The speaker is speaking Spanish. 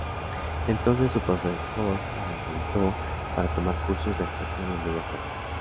Entonces su profesor la alentó para tomar cursos de actuación en Bellas Artes.